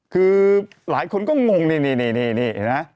คือหลายคนก็งงนี่นี่นะครับ